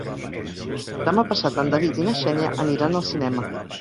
Demà passat en David i na Xènia aniran al cinema.